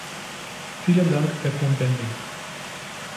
Vielen Dank, Herr Cohn-Bendit.